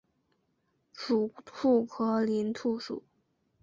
属兔科林兔属。